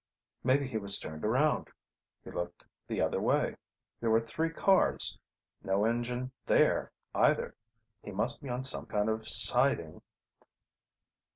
Maybe he was turned around. He looked the other way. There were three cars. No engine there either. He must be on some kind of siding